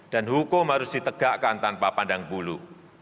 hukum harus ditegakkan tanpa pandang bulu